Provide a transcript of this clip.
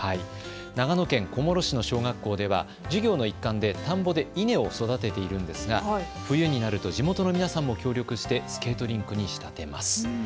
長野県小諸市の小学校では授業の一環で田んぼで稲を育てているんですが冬になると地元の皆さんも協力してスケートリンクに仕立てます。